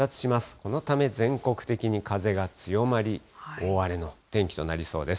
このため全国的に風が強まり、大荒れの天気となりそうです。